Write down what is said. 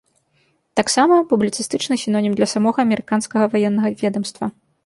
Таксама, публіцыстычны сінонім для самога амерыканскага ваеннага ведамства.